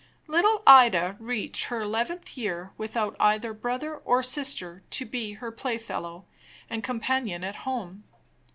Little Ida reached her eleventh year without either brother or sister to be her playfellow and companion at home.